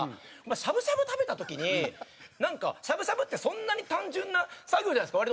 しゃぶしゃぶ食べた時にしゃぶしゃぶってそんなに単純な作業じゃないですか割と。